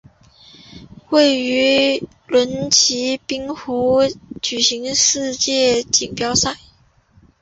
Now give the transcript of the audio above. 也为轮椅冰壶举行世界锦标赛。